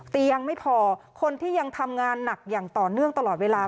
ยังไม่พอคนที่ยังทำงานหนักอย่างต่อเนื่องตลอดเวลา